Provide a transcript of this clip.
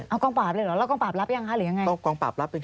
เอ้ากองปราบเลยหรอแล้วกองปราบรับยังหรือยังไง